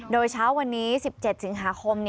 โดยเช้าวันนี้๑๗สิงหาคม